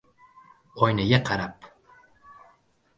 Oynaga qarab: